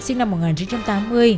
sinh năm một nghìn chín trăm tám mươi